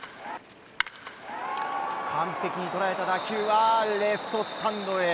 完璧に捉えた打球はレフトスタンドへ。